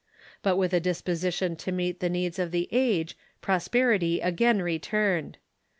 But with a disposition to meet the needs of the age prosperity again returned.